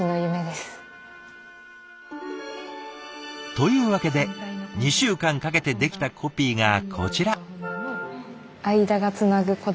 というわけで２週間かけてできたコピーがこちら。